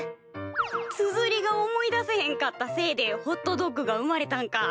つづりが思い出せへんかったせいでホットドッグが生まれたんか。